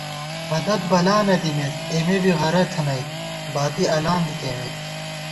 ہَدت بلا نہ دِمېت، اېمے بی غرَہ تھنَئیت، باتی الان دی کېئیمېت